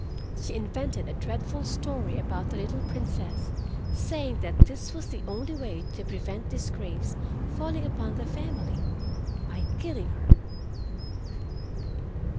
She invented a dreadful story about the little Princess, saying that this was the only way to prevent disgrace falling upon the family—by killing her.